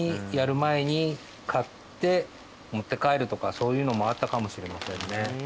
そういうのもあったかもしれませんね。